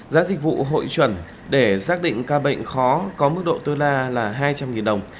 giá dịch vụ hội chuẩn để xác định ca bệnh khó có mức độ tối đa là hai trăm linh đồng